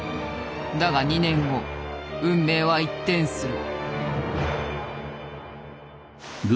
だが２年後運命は一転する。